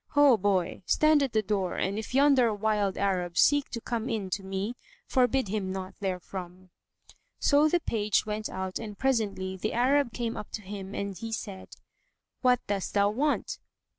Ho, boy! Stand at the door, and if yonder wild Arab seek to come in to me, forbid him not therefrom." So the page went out and presently the Arab came up to him and he said, "What dost thou want?"